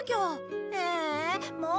ええもう？